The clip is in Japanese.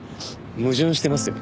矛盾してますよ。